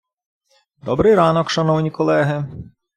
Добрий ранок, шановні колеги!